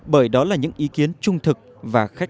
bởi đó là những ý kiến trung thực và khả năng